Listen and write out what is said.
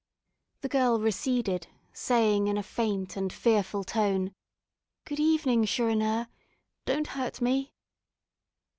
The girl receded, saying, in a faint and fearful tone, "Good evening, Chourineur. Don't hurt me."